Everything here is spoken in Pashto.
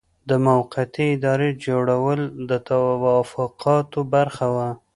د موقتې ادارې جوړول د توافقاتو برخه وه.